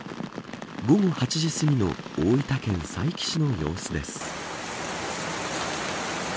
午後８時すぎの大分県佐伯市の様子です。